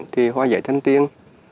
thì hoa giấy thanh tiên